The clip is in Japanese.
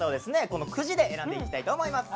このくじで選んでいきたいと思います。